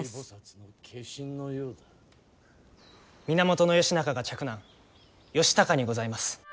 源義仲が嫡男義高にございます。